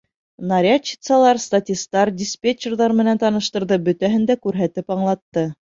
Нарядчицалар, статистар, диспетчерҙар менән таныштырҙы, бөтәһен дә күрһәтеп аңлатты.